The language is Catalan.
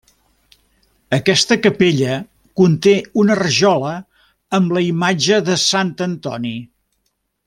Aquesta capella conté una rajola amb la imatge de Sant Antoni.